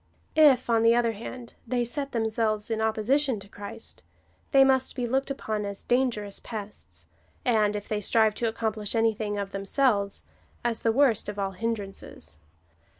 If, on the other hand, they set them selves in opposition to Christ, they must be looked upon as dangerous pests, and, if they strive to accomplish anything of themselves, as the worst of all hindrances.